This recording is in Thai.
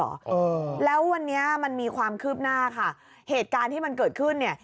เออแล้ววันนี้มันมีความคืบหน้าค่ะเหตุการณ์ที่มันเกิดขึ้นเนี่ย